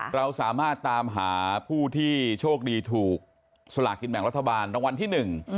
เราสามารถตามหาผู้ที่โชคดีถูกสลากกินแบ่งรัฐบาลรางวัลที่หนึ่ง